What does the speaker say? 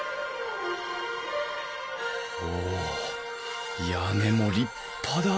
お屋根も立派だ